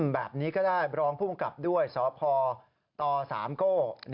แบบนี้ก็ได้รองภูมิกับด้วยสพตสามโก้